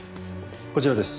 こちらです。